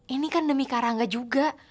ini kan demi karangga juga